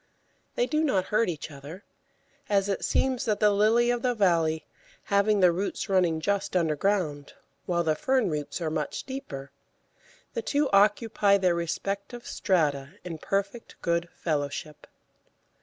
They do not hurt each other, as it seems that the Lily of the Valley, having the roots running just underground, while the fern roots are much deeper, the two occupy their respective strata in perfect good fellowship.